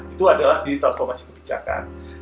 itu adalah tanggung jawab transformasi kebijakan